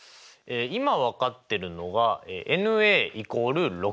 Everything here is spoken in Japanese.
今分かってるのがｎ＝６。